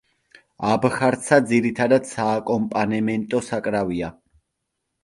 აბხარცა ძირითადად სააკომპანემენტო საკრავია.